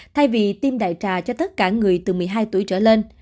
thay vì tiêm đại trà cho tất cả người từ một mươi hai tuổi trở lên